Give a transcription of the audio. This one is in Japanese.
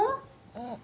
うん？